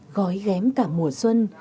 gói ghém cả mùa xuân